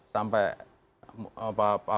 sampai apa apa menteri agama bisa mau baca